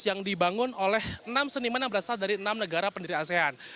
yang dibangun oleh enam seniman yang berasal dari enam negara pendiri asean